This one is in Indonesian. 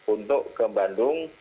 untuk ke bandung